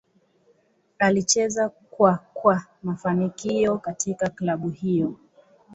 Alicheza kwa kwa mafanikio katika klabu hiyo.